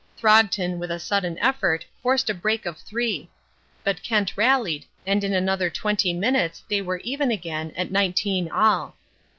Throgton with a sudden effort forced a break of three; but Kent rallied and in another twenty minutes they were even again at nineteen all.